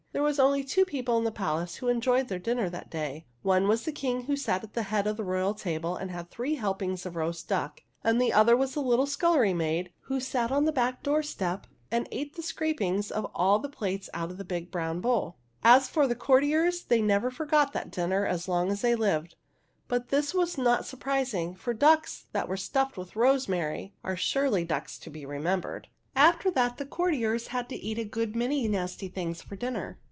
There were only two people in the palace who enjoyed their dinner that day : one was the King, who sat at the head of the royal table and had three helpings of roast duck ; and the other was the little scullery maid, who sat on the back doorstep and ate the scrapings of all the plates out of a big brown bowl. As for the courtiers, they never forgot that dinner as long as they lived ; but this was not surpris ing, for ducks that are stuffed with rosemary are surely ducks to be remembered. After that, the courtiers had to eat a good many nasty things for dinner.